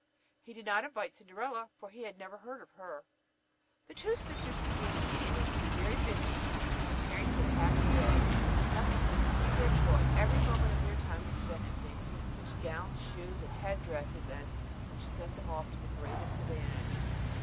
He did not invite Cinderella, for he had never seen or heard of her. The two sisters began immediately to be very busy in preparing for the happy day. Nothing could exceed their joy. Every moment of their time was spent in fancying such gowns, shoes, and head dresses as would set them off to the greatest advantage.